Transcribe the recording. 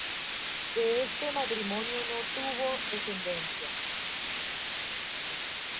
De este matrimonio no tuvo descendencia.